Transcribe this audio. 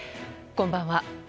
こんばんは。